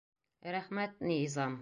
Рәхмәт, ни... зам.